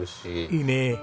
いいねえ。